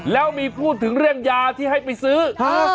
แล้วมีพูดถึงเรื่องยาที่ให้ไปซื้อฮะ